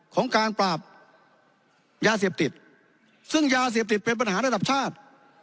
ของการปราบยาเสพติดซึ่งยาเสพติดเป็นปัญหาระดับชาติ